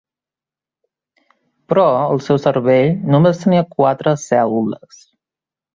Però el seu cervell només tenia quatre cèl·lules.